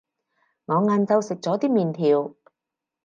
我晏晝食咗啲麵條